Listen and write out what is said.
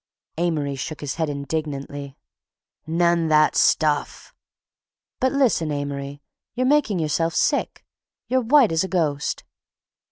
Amory shook his head indignantly. "None that stuff!" "But listen, Amory, you're making yourself sick. You're white as a ghost."